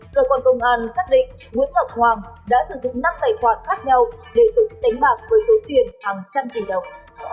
cơ quan công an xác định nguyễn ngọc hoàng đã sử dụng năm tài khoản khác nhau để tổ chức đánh bạc với số tiền hàng trăm tỷ đồng